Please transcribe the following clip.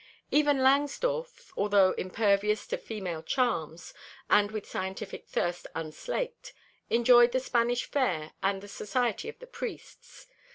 Even Langsdorff, although impervious to female charms and with scientific thirst unslaked, enjoyed the Spanish fare and the society of the priests.